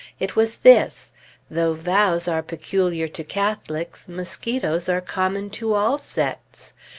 It was this: though vows are peculiar to Catholics, mosquitoes are common to all sects.